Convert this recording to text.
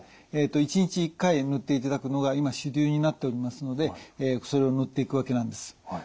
一日一回塗っていただくのが今主流になっておりますのでそれを塗っていくわけなんです。